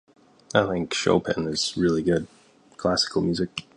I Chopin, really good classical music